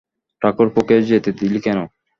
ঠাকুরপোকে যেতে দিলি কেন?